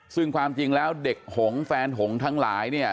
ซึ่งความจริงแล้วเด็กหงแฟนหงทั้งหลายเนี่ย